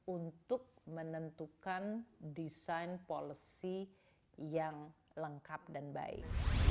untuk menentukan desain policy yang lengkap dan baik